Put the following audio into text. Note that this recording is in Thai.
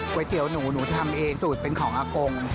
เตี๋ยวหนูหนูทำเองสูตรเป็นของอากง